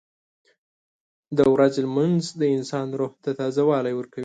• د ورځې لمونځ د انسان روح ته تازهوالی ورکوي.